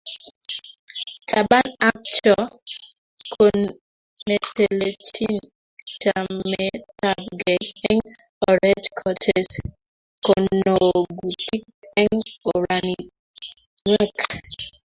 Taban ak Cho ko netelechin chametabgei eng oret kotes konogutik eng oratinwek